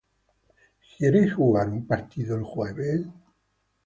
¿Quieres jugar un partido el jueves?